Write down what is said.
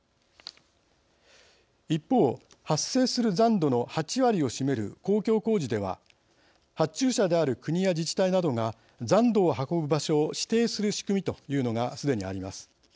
一方、発生する残土の８割を占める公共工事では発注者である国や自治体などが残土を運ぶ場所を指定する仕組みというのがすでにあります。